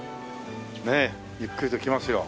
ねえゆっくりと来ますよ。